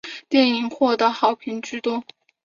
电影获得好评居多。